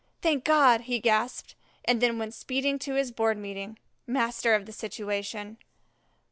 "Thank God!" he gasped, and then went speeding to his Board meeting, master of the situation.